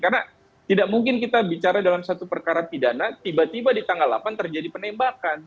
karena tidak mungkin kita bicara dalam satu perkara pidana tiba tiba di tanggal delapan terjadi penembakan